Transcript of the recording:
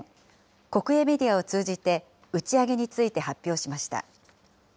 国営メディアを通じて、打ち上げについて発表しました。